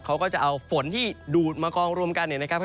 เขาก็จะเอาฝนที่ดูดมากองรวมกันเนี่ยนะครับ